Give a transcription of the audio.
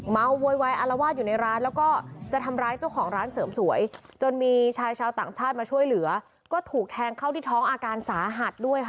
โวยวายอารวาสอยู่ในร้านแล้วก็จะทำร้ายเจ้าของร้านเสริมสวยจนมีชายชาวต่างชาติมาช่วยเหลือก็ถูกแทงเข้าที่ท้องอาการสาหัสด้วยค่ะ